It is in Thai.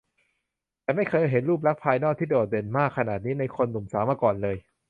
ฉันไม่เคยเห็นรูปลักษณ์ภายนอกที่โดดเด่นมากขนาดนี้ในคนหนุ่มสาวมาก่อนเลย